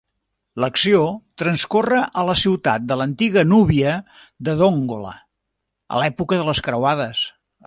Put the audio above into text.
L'acció transcorre a la ciutat de l'antiga núbia de Dongola, a l'època de les Croades.